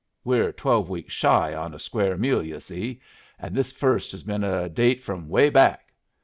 We're twelve weeks shy on a square meal, yu' see, and this first has been a date from 'way back.